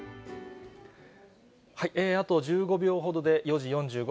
あと１５秒ほどで、４時４５